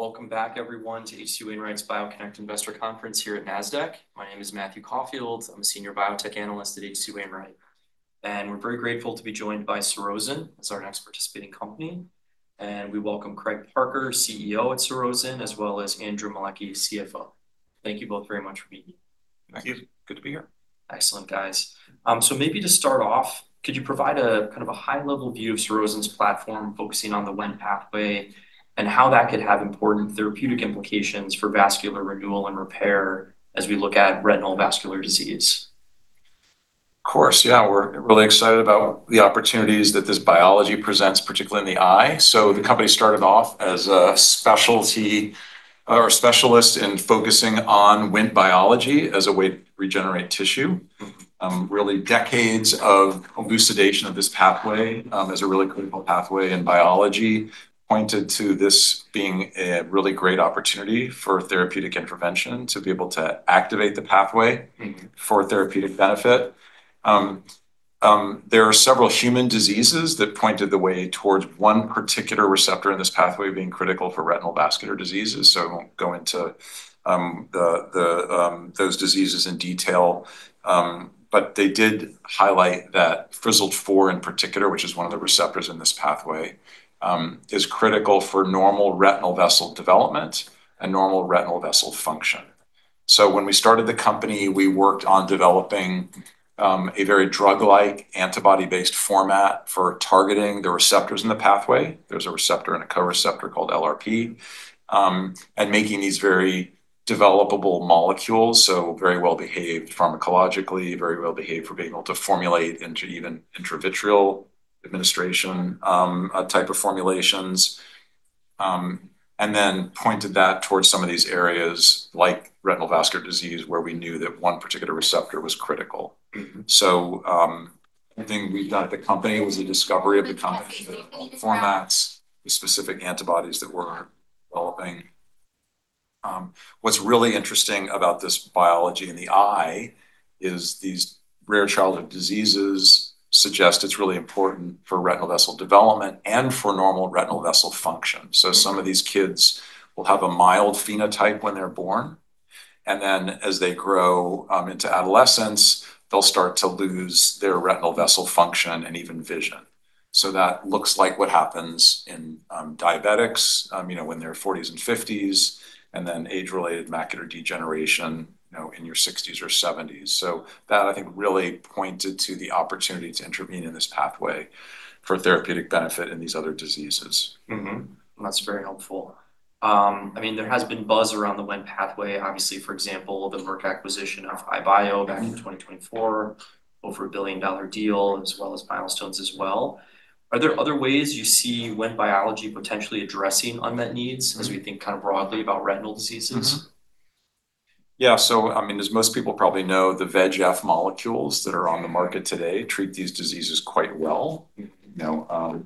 Welcome back everyone to H.C. Wainwright's BioConnect Investor Conference here at Nasdaq. My name is Matthew Cowper. I'm a Senior Biotech Analyst at H.C. Wainwright. We're very grateful to be joined by Surrozen as our next participating company. We welcome Craig Parker, CEO at Surrozen, as well as Andrew Maleki, CFO. Thank you both very much for being here. Thank you. Good to be here. Excellent, guys. Maybe to start off, could you provide a kind of a high-level view of Surrozen's platform, focusing on the Wnt pathway and how that could have important therapeutic implications for vascular renewal and repair as we look at retinal vascular disease? Of course. Yeah. We're really excited about the opportunities that this biology presents, particularly in the eye. The company started off as a specialty or a specialist in focusing on Wnt biology as a way to regenerate tissue. Really decades of elucidation of this pathway, as a really critical pathway in biology pointed to this being a really great opportunity for therapeutic intervention to be able to activate the pathway for therapeutic benefit. There are several human diseases that pointed the way towards one particular receptor in this pathway being critical for retinal vascular diseases. I won't go into the those diseases in detail. But they did highlight that Fzd4 in particular, which is one of the receptors in this pathway, is critical for normal retinal vessel development and normal retinal vessel function. When we started the company, we worked on developing a very drug-like antibody-based format for targeting the receptors in the pathway. There's a receptor and a co-receptor called LRP, and making these very developable molecules, so very well-behaved pharmacologically, very well behaved for being able to formulate into even intravitreal administration type of formulations. Pointed that towards some of these areas like retinal vascular disease, where we knew that one particular receptor was critical. The thing we've done at the company was the discovery of the combination of formats, the specific antibodies that we're developing. What's really interesting about this biology in the eye is these rare childhood diseases suggest it's really important for retinal vessel development and for normal retinal vessel function. Some of these kids will have a mild phenotype when they're born, and then as they grow into adolescence, they'll start to lose their retinal vessel function and even vision. That looks like what happens in diabetics, you know, in their 40s and 50s, and then age-related macular degeneration, you know, in your 60s or 70s. That I think really pointed to the opportunity to intervene in this pathway for therapeutic benefit in these other diseases. Mm-hmm. That's very helpful. I mean, there has been buzz around the Wnt pathway, obviously, for example, the Merck acquisition of EyeBio back in 2024, over a billion-dollar deal, as well as milestones as well. Are there other ways you see Wnt biology potentially addressing unmet needs as we think kind of broadly about retinal diseases? Yeah. I mean, as most people probably know, the VEGF molecules that are on the market today treat these diseases quite well. You know,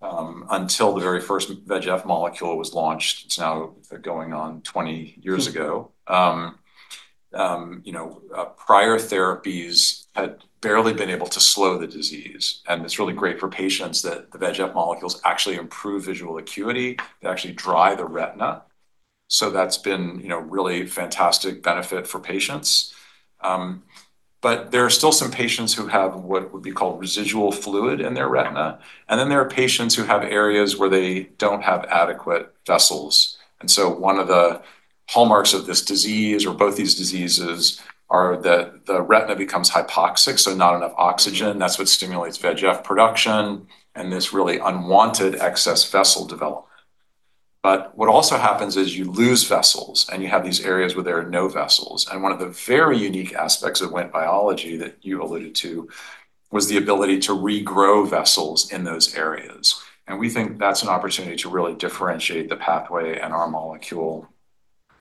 until the very first VEGF molecule was launched, it's now going on 20 years ago, you know, prior therapies had barely been able to slow the disease, and it's really great for patients that the VEGF molecules actually improve visual acuity. They actually dry the retina. That's been, you know, really fantastic benefit for patients. There are still some patients who have what would be called residual fluid in their retina. There are patients who have areas where they don't have adequate vessels. One of the hallmarks of this disease or both these diseases are that the retina becomes hypoxic, so not enough oxygen. That's what stimulates VEGF production and this really unwanted excess vessel development. What also happens is you lose vessels, and you have these areas where there are no vessels. One of the very unique aspects of Wnt biology that you alluded to was the ability to regrow vessels in those areas. We think that's an opportunity to really differentiate the pathway and our molecule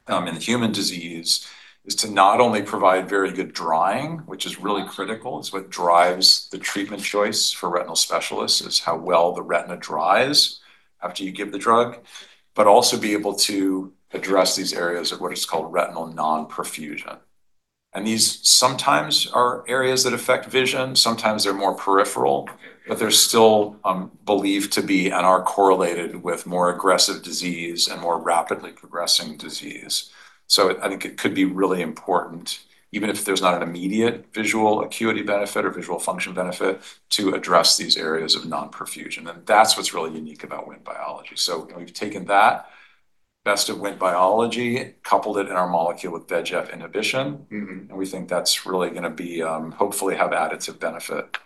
in human disease is to not only provide very good drying, which is really critical. It's what drives the treatment choice for retinal specialists, is how well the retina dries after you give the drug, but also be able to address these areas of what is called retinal non-perfusion. These sometimes are areas that affect vision, sometimes they're more peripheral, but they're still believed to be and are correlated with more aggressive disease and more rapidly progressing disease. I think it could be really important, even if there's not an immediate visual acuity benefit or visual function benefit to address these areas of non-perfusion. That's what's really unique about Wnt biology. We've taken that best of Wnt biology, coupled it in our molecule with VEGF inhibition. We think that's really gonna be hopefully have additive benefit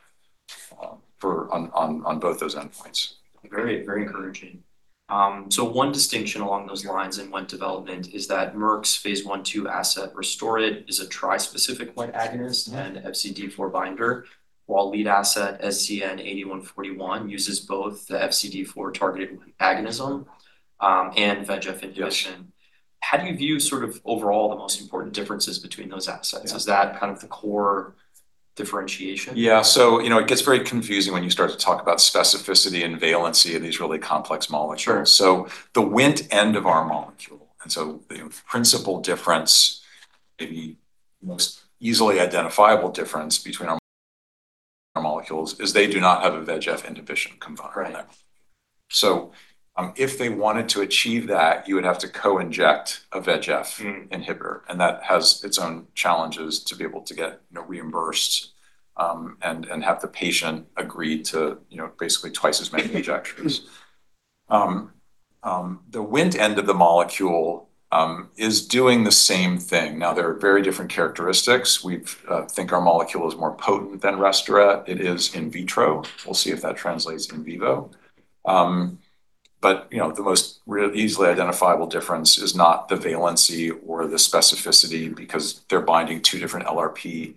for on both those endpoints. Very, very encouraging. One distinction along those lines in Wnt development is that Merck's phase I-II asset Restoret is a tri-specific Wnt agonist and Fzd4 binder, while lead asset SZN-8141 uses both the Fzd4-targeted Wnt agonism and VEGF inhibition. Yes. How do you view sort of overall the most important differences between those assets? Yeah. Is that kind of the core differentiation? Yeah. You know, it gets very confusing when you start to talk about specificity and valency of these really complex molecules. Sure. The Wnt end of our molecule, and so the principle difference, maybe most easily identifiable difference between our molecules is they do not have a VEGF inhibition component. Right. If they wanted to achieve that, you would have to co-inject a VEGF inhibitor, and that has its own challenges to be able to get, you know, reimbursed, and have the patient agree to, you know, basically twice as many injections. The Wnt end of the molecule is doing the same thing. There are very different characteristics. We think our molecule is more potent than Restoret. It is in vitro. We'll see if that translates in vivo. You know, the most easily identifiable difference is not the valency or the specificity because they're binding two different LRP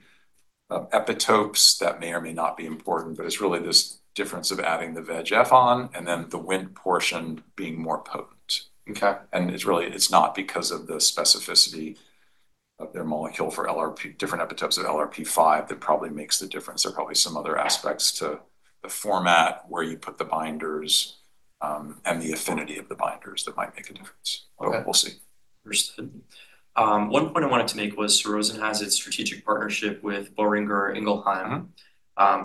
epitopes that may or may not be important. It's really this difference of adding the VEGF on and then the Wnt portion being more potent. Okay. It's really, it's not because of the specificity of their molecule for LRP, different epitopes of LRP5 that probably makes the difference. There are probably some other aspects to the format where you put the binders, and the affinity of the binders that might make a difference. Okay. We'll see. Understood. One point I wanted to make was Surrozen has its strategic partnership with Boehringer Ingelheim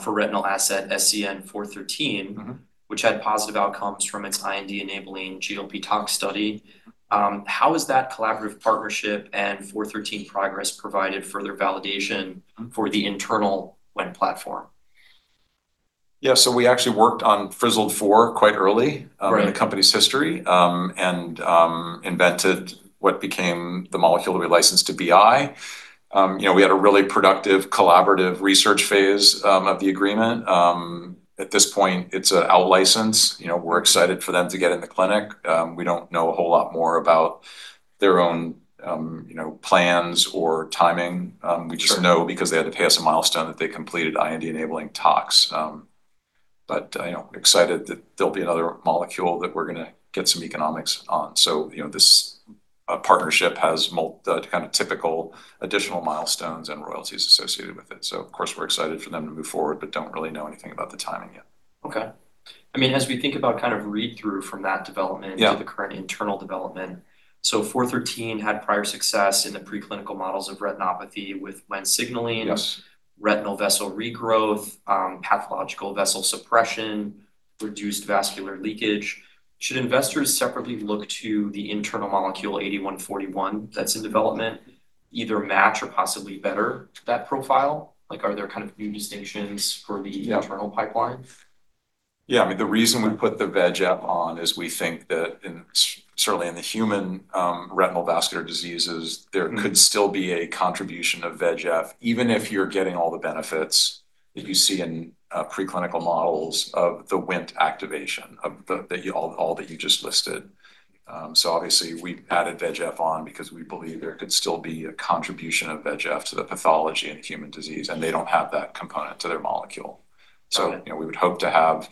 for retinal asset SZN-413 which had positive outcomes from its IND-enabling GLP toxicology study. how is that collaborative partnership and 413 progress provided further validation for the internal Wnt platform? Yeah. we actually worked on Fzd4 quite early. Right. In the company's history, invented what became the molecule that we licensed to BI. You know, we had a really productive collaborative research phase of the agreement. At this point, it's a out license. You know, we're excited for them to get in the clinic. We don't know a whole lot more about their own, you know, plans or timing. Sure. Know because they had to pay us a milestone that they completed IND-enabling tox. You know, excited that there'll be another molecule that we're gonna get some economics on. You know, this partnership has the kind of typical additional milestones and royalties associated with it. Of course, we're excited for them to move forward, but don't really know anything about the timing yet. Okay. I mean, as we think about kind of read-through from that development. Yeah. To the current internal development, SZN-413 had prior success in the preclinical models of retinopathy with Wnt signaling. Yes. Retinal vessel regrowth, pathological vessel suppression, reduced vascular leakage. Should investors separately look to the internal molecule SZN-8141 that's in development either match or possibly better that profile? Like, are there kind of few distinctions for the natural pipeline? Yeah. I mean, the reason we put the VEGF on is we think that certainly in the human, retinal vascular diseases could still be a contribution of VEGF, even if you're getting all the benefits that you see in preclinical models of the Wnt activation of the, all that you just listed. Obviously we've added VEGF on because we believe there could still be a contribution of VEGF to the pathology and human disease, and they don't have that component to their molecule. Got it. You know, we would hope to have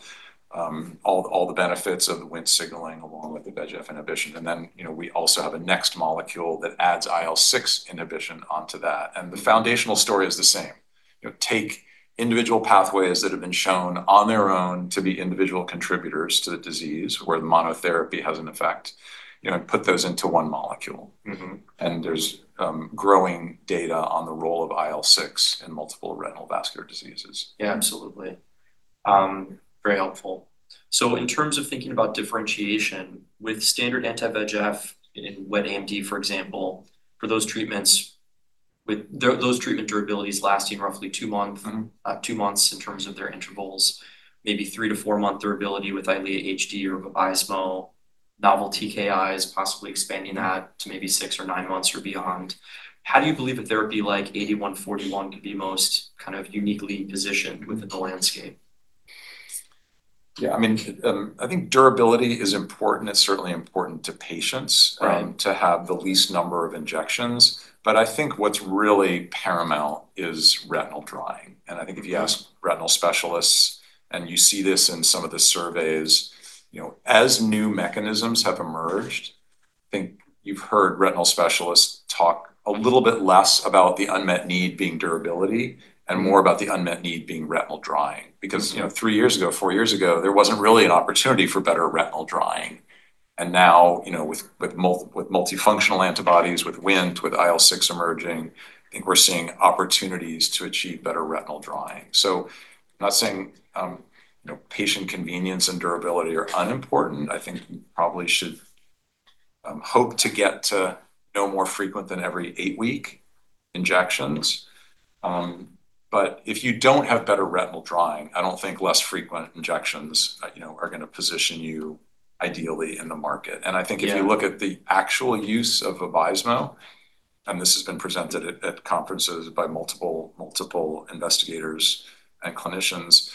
all the benefits of the Wnt signaling along with the VEGF inhibition. You know, we also have a next molecule that adds IL-6 inhibition onto that. The Foundational story is the same. You know, take individual pathways that have been shown on their own to be individual contributors to the disease where the monotherapy has an effect, you know, put those into one molecule. There's growing data on the role of IL-6 in multiple retinal vascular diseases. Yeah, absolutely. Very helpful. In terms of thinking about differentiation with standard anti-VEGF in wet AMD, for example, for those treatments with those treatment durability is lasting roughly two-month. Two months in terms of their intervals, maybe three- to four-month durability with EYLEA HD or VABYSMO, novel TKIs possibly expanding that to maybe six or nine months or beyond. How do you believe a therapy like SZN-8141 could be most kind of uniquely positioned within the landscape? Yeah. I mean, I think durability is important. It's certainly important to patients to have the least number of injections. Right I think what's really paramount is retinal drying. I think if you ask retinal specialists, and you see this in some of the surveys, you know, as new mechanisms have emerged, I think you've heard retinal specialists talk a little bit less about the unmet need being durability and more about the unmet need being retinal drying. You know, three years ago, four years ago, there wasn't really an opportunity for better retinal drying. Now, you know, with multifunctional antibodies, with Wnt, with IL-6 emerging, I think we're seeing opportunities to achieve better retinal drying. Not saying, you know, patient convenience and durability are unimportant. I think we probably should hope to get to no more frequent than every 8-week injections. If you don't have better retinal drying, I don't think less frequent injections are gonna position you ideally in the market. Yeah. If you look at the actual use of VABYSMO, and this has been presented at conferences by multiple investigators and clinicians,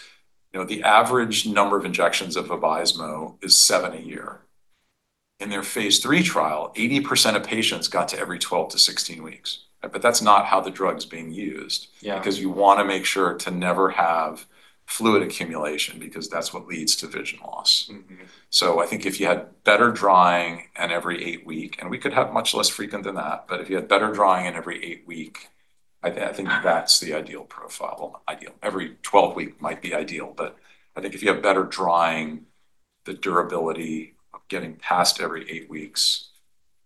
you know, the average number of injections of VABYSMO is seven a year. In their phase III trial, 80% of patients got to every 12-16 weeks. That's not how the drug's being used. Yeah. You wanna make sure to never have fluid accumulation because that's what leads to vision loss. I think if you had better drying and every eight week, and we could have much less frequent than that, but if you had better drying and every eight week, I think that's the ideal profile. Ideal. Every 12 week might be ideal, but I think if you have better drying. The durability of getting past every eight weeks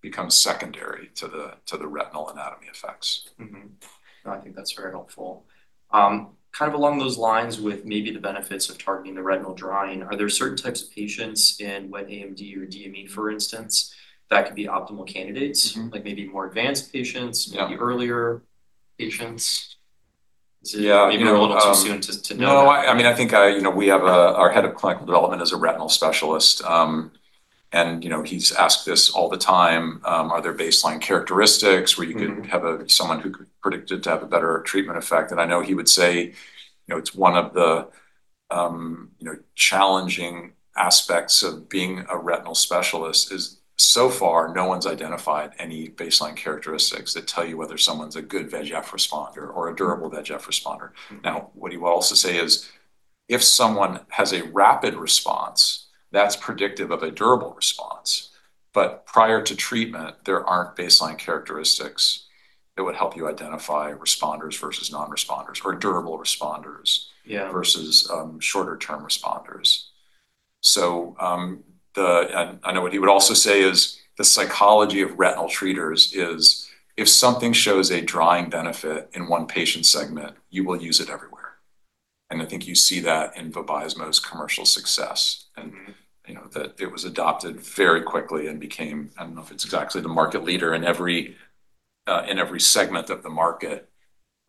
becomes secondary to the retinal anatomy effects. No, I think that's very helpful. Kind of along those lines with maybe the benefits of targeting the retinal drying, are there certain types of patients in wet AMD or DME, for instance, that could be optimal candidates? Like maybe more advanced patients. Yeah. Maybe the earlier patients? Yeah. Maybe a little too soon to know. No, I mean, I think, you know, we have, our head of clinical development is a retinal specialist. You know, he's asked this all the time, are there baseline characteristics where you could have someone who could predict to have a better treatment effect. I know he would say, you know, it's one of the, you know, challenging aspects of being a retinal specialist is so far no one's identified any baseline characteristics that tell you whether someone's a good VEGF responder or a durable VEGF responder. What he will also say is, if someone has a rapid response, that's predictive of a durable response. Prior to treatment, there aren't baseline characteristics that would help you identify responders versus non-responders or durable responders versus shorter term responders. Yeah. I know what he would also say is the psychology of retinal treaters is if something shows a drying benefit in one patient segment, you will use it everywhere. I think you see that in VABYSMO's commercial success. You know, that it was adopted very quickly and became, I don't know if it's exactly the market leader in every segment of the market,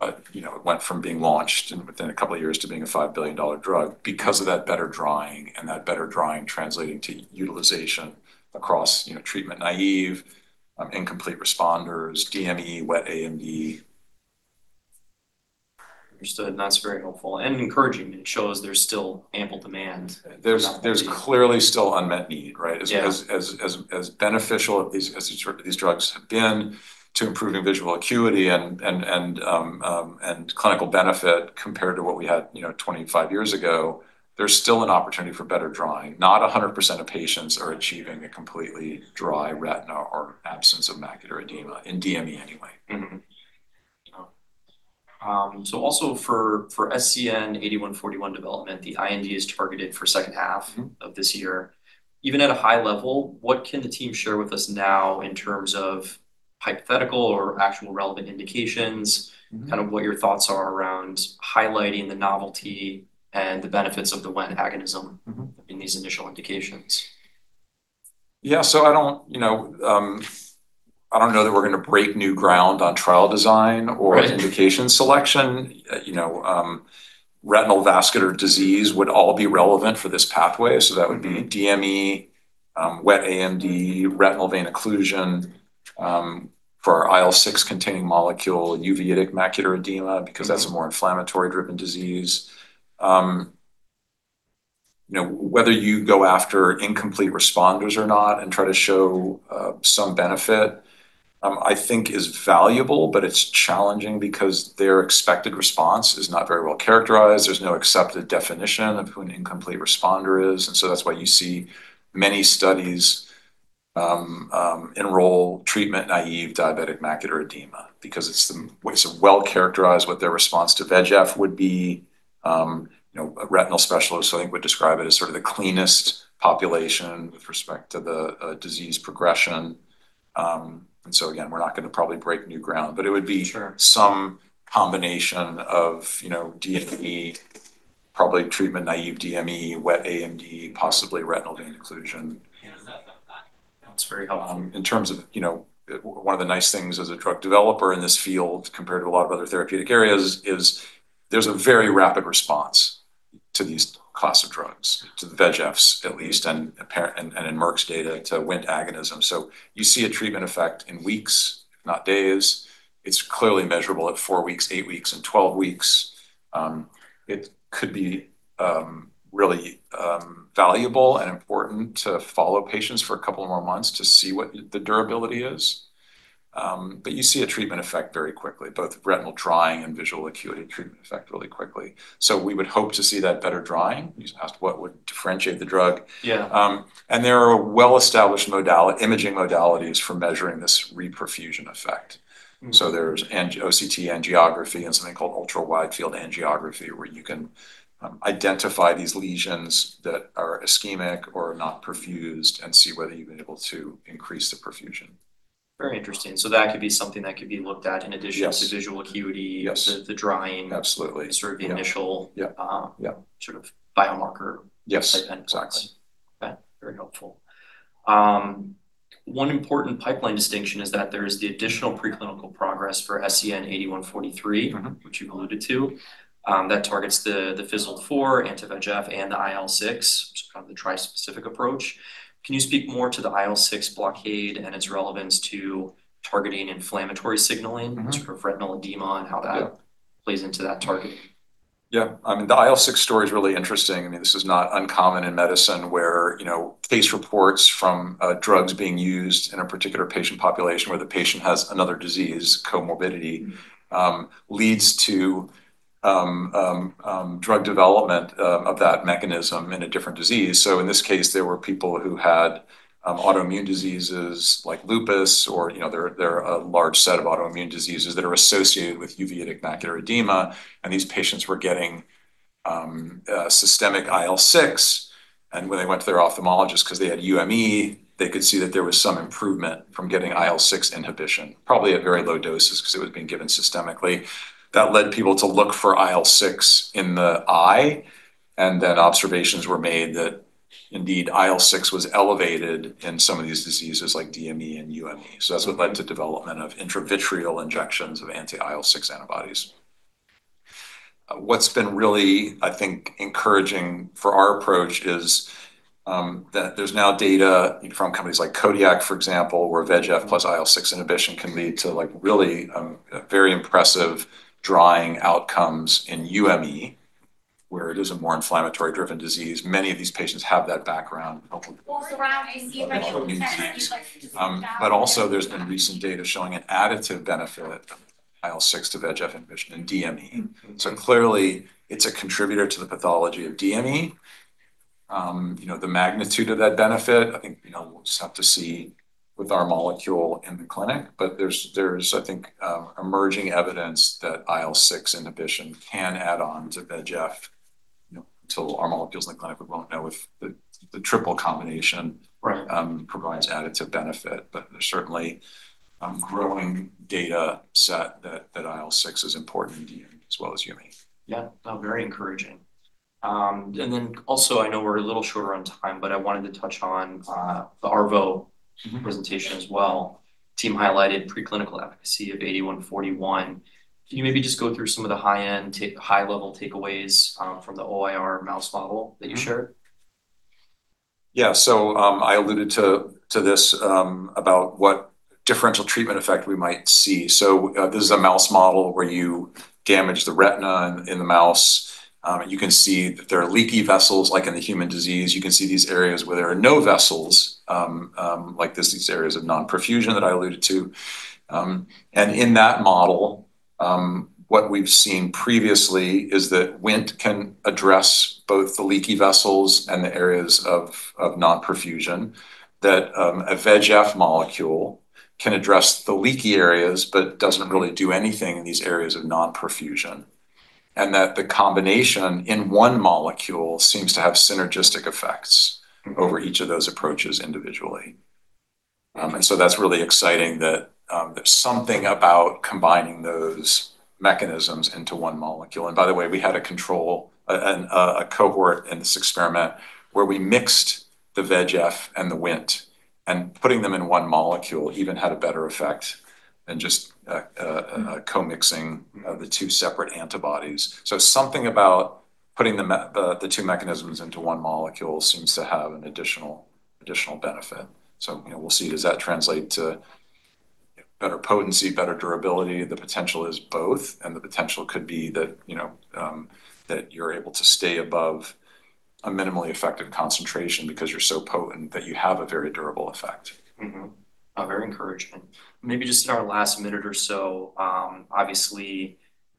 but, you know, it went from being launched and within a couple of years to being a $5 billion drug because of that better drying, and that better drying translating to utilization across, you know, treatment-naive, incomplete responders, DME, wet AMD. Understood. That's very helpful and encouraging, and it shows there's still ample demand. There's clearly still unmet need, right? Yeah. As beneficial as these drugs have been to improving visual acuity and clinical benefit compared to what we had, you know, 25 years ago, there's still an opportunity for better drying. Not 100% of patients are achieving a completely dry retina or absence of Macular Edema in DME anyway. Also for SZN-8141 development, the IND is targeted for second half of this year. Even at a high level, what can the team share with us now in terms of hypothetical or actual relevant indications? Kind of what your thoughts are around highlighting the novelty and the benefits of the Wnt agonism in these initial indications. Yeah. I don't, you know, I don't know that we're gonna break new ground on trial design. Right. Indication selection. You know, retinal vascular disease would all be relevant for this pathway. That would be DME, wet AMD, retinal vein occlusion, for our IL-6 containing molecule Uveitic Macular Edema because that's a more inflammatory driven disease. you know, whether you go after incomplete responders or not and try to show some benefit, I think is valuable, but it's challenging because their expected response is not very well characterized. There's no accepted definition of who an incomplete responder is. That's why you see many studies enroll treatment-naive Diabetic Macular Edema because it's the way so well characterized what their response to VEGF would be. you know, a retinal specialist I think would describe it as sort of the cleanest population with respect to the disease progression. Sure. Again, we're not gonna probably break new ground, but it would be- some combination of, you know, DME, probably treatment-naive DME, wet AMD, possibly retinal vein occlusion. Yeah. That's very helpful. In terms of, you know, one of the nice things as a drug developer in this field compared to a lot of other therapeutic areas is there's a very rapid response to these class of drugs, to the VEGFs at least, and in Merck's data to Wnt agonism. You see a treatment effect in weeks, if not days. It's clearly measurable at four weeks, eight weeks and 12 weeks. It could be, really, valuable and important to follow patients for a couple of more months to see what the durability is. You see a treatment effect very quickly, both retinal drying and visual acuity treatment effect really quickly. We would hope to see that better drying. You asked what would differentiate the drug. Yeah. There are well-established imaging modalities for measuring this reperfusion effect. There's OCT angiography and something called ultra wide field angiography, where you can identify these lesions that are ischemic or not perfused and see whether you've been able to increase the perfusion. Very interesting. That could be something that could be looked at in addition. Yes. To visual acuity. Yes. To the drying- Absolutely. Yeah. Sort of the initial- Yeah, yeah. Um, sort of biomarker- Yes. Type endpoint. Exactly. Okay. Very helpful. One important pipeline distinction is that there is the additional preclinical progress for SZN-8143 which you've alluded to, that targets the Fzd4, anti-VEGF, and the IL-6, kind of the tri-specific approach. Can you speak more to the IL-6 blockade and its relevance to targeting inflammatory signaling for retinal edema and how that plays into that target? Yeah. I mean, the IL-6 story is really interesting. I mean, this is not uncommon in medicine where, you know, case reports from drugs being used in a particular patient population where the patient has another disease comorbidity, leads to drug development of that mechanism in a different disease. In this case, there were people who had autoimmune diseases like lupus or, you know, there are a large set of autoimmune diseases that are associated with Uveitic Macular Edema, and these patients were getting systemic IL-6. When they went to their ophthalmologist 'cause they had UME, they could see that there was some improvement from getting IL-6 inhibition, probably at very low doses 'cause it was being given systemically that led people to look for IL-6 in the eye, and then observations were made that indeed IL-6 was elevated in some of these diseases like DME and UME. That's what led to development of intravitreal injections of anti-IL-6 antibodies. What's been really, I think, encouraging for our approach is that there's now data from companies like Kodiak Sciences, for example, where VEGF plus IL-6 inhibition can lead to a very impressive drying outcomes in Uveitic Macular Edema, where it is a more inflammatory-driven disease. Also, there's been recent data showing an additive benefit of IL-6 to VEGF inhibition in Diabetic Macular Edema. Clearly it's a contributor to the pathology of DME. You know, the magnitude of that benefit, I think, you know, we'll just have to see with our molecule in the clinic. There's, I think, emerging evidence that IL-6 inhibition can add on to VEGF, you know, until our molecules in the clinic, we won't know. Right Provides additive benefit. There's certainly, growing dataset that IL-6 is important in DME as well as UME. Yeah. No, very encouraging. Then also, I know we're a little shorter on time, but I wanted to touch on the ARVO presentation as well. Team highlighted preclinical efficacy of SZN-8141. Can you maybe just go through some of the high-level takeaways from the OIR mouse model that you shared? Mm-hmm. Yeah. I alluded to this about what differential treatment effect we might see. This is a mouse model where you damage the retina in the mouse. You can see that there are leaky vessels, like in the human disease. You can see these areas where there are no vessels, like this, these areas of non-perfusion that I alluded to. In that model, what we've seen previously is that Wnt can address both the leaky vessels and the areas of non-perfusion. A VEGF molecule can address the leaky areas, but doesn't really do anything in these areas of non-perfusion. That the combination in one molecule seems to have synergistic effects over each of those approaches individually. That's really exciting that there's something about combining those mechanisms into one molecule. By the way, we had a control, a cohort in this experiment where we mixed the VEGF and the WNT, and putting them in one molecule even had a better effect than just co-mixing, the two separate antibodies. Something about putting the two mechanisms into one molecule seems to have an additional benefit. You know, we'll see, does that translate to better potency, better durability? The potential is both, and the potential could be that, you know, that you're able to stay above a minimally effective concentration because you're so potent that you have a very durable effect. Mm-hmm. Very encouraging. Maybe just in our last minute or so, obviously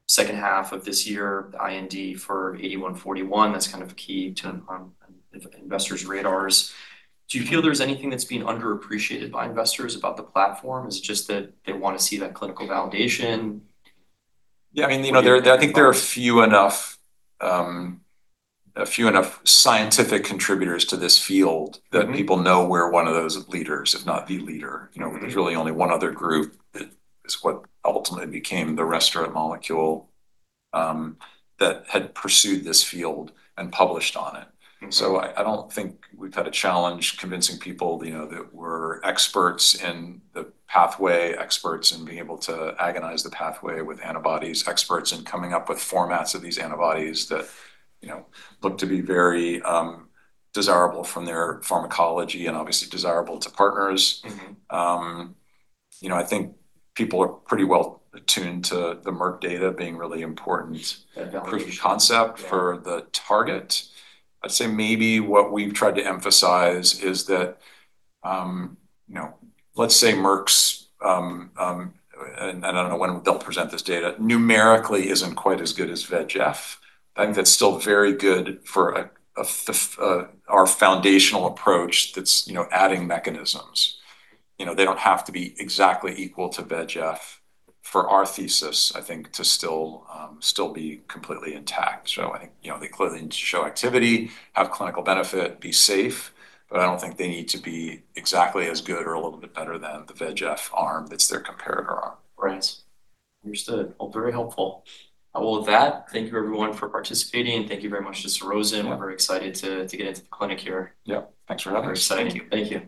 second half of this year, the IND for SZN-8141, that's kind of key to on investors' radars. Do you feel there's anything that's being underappreciated by investors about the platform? Is it just that they want to see that clinical validation? Yeah. I mean, you know, there, I think there are few enough, a few enough scientific contributors to this field that people know we're one of those leaders, if not the leader. You know, there's really only one other group that is what ultimately became the Restoret molecule that had pursued this field and published on it. I don't think we've had a challenge convincing people, you know, that we're experts in the pathway, experts in being able to agonize the pathway with antibodies, experts in coming up with formats of these antibodies that, you know, look to be very desirable from their pharmacology and obviously desirable to partners. You know, I think people are pretty well attuned to the Merck data being really important. That validation. Proof of concept for the target. I'd say maybe what we've tried to emphasize is that, you know, let's say Merck's, and I don't know when they'll present this data, numerically isn't quite as good as VEGF. I think that's still very good for a foundational approach that's, you know, adding mechanisms. You know, they don't have to be exactly equal to VEGF for our thesis, I think to still be completely intact. You know, they clearly need to show activity, have clinical benefit, be safe, but I don't think they need to be exactly as good or a little bit better than the VEGF arm that's their comparator arm. Right. Understood. Well, very helpful. Well, with that, thank you everyone for participating, and thank you very much to Surrozen. Yeah. We're very excited to get into the clinic here. Yeah. Thanks for having me. Very exciting. Thank you.